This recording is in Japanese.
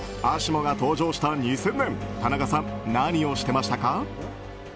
ＡＳＩＭＯが登場した２０００年田中さんは何をしてましたか？